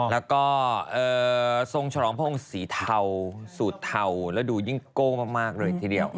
แล้วก็ทรงฉลองพระองค์สีเทาสูตรเทาแล้วดูยิ่งโก้มากเลยทีเดียว